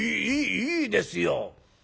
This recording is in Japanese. いいですよ！